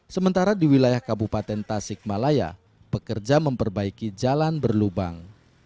sementara di wilayah kabupaten tasikmalaya pekerja memperbaiki jalan berlubang